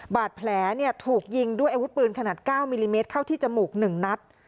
บาดแผลเนี้ยถูกยิงด้วยไอ้วุดปืนขนาดเก้ามิลลิเมตรเข้าที่จมูกหนึ่งนัด